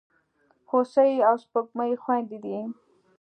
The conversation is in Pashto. هوسۍ او سپوږمۍ خوېندي دي.